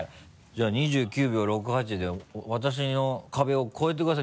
じゃあ２９秒６８で私の壁を超えてください。